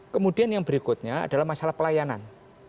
kemudian yang berikutnya adalah masalah pelayanan